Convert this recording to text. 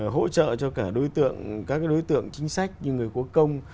hỗ trợ cho các đối tượng chính sách như người cố công